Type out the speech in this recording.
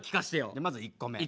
じゃまず１個目。